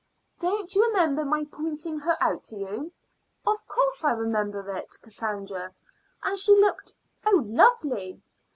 "Don't you remember my pointing her out to you?" "Of course I remember it, Cassandra; and she looked oh, lovely!"